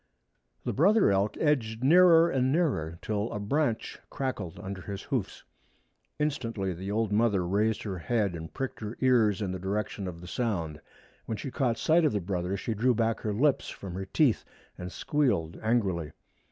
The brother elk edged nearer and nearer, till a branch crackled under his hoofs. Instantly the old mother raised her head and pricked her ears in the direction of the sound. When she caught sight of the brother she drew back her lips from her teeth and squealed angrily.